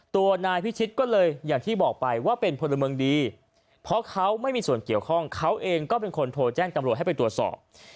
ตัวนายพิชิตก็เลยอย่างที่บอกไปว่าเป็นพลเมืองดีเพราะเขาไม่มีส่วนเกี่ยวข้องเขาเองก็เป็นคนโทรแจ้งตำรวจให้ไปตรวจสอบ